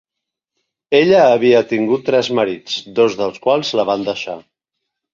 Ella havia tingut tres marits, dos dels quals la van deixar.